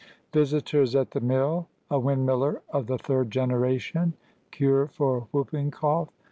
VISITORS AT THE MILL.—A WINDMILLER OF THE THIRD GENERATION.—CURE FOR WHOOPING COUGH.